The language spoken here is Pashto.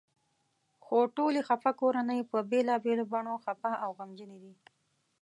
خو ټولې خپه کورنۍ په بېلابېلو بڼو خپه او غمجنې دي.